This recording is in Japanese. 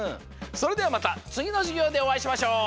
それではまたつぎのじゅぎょうでおあいしましょう。